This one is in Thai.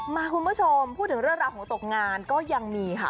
คุณผู้ชมพูดถึงเรื่องราวของตกงานก็ยังมีค่ะ